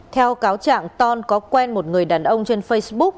theo cáo trạng ton có quen một người đàn ông trên facebook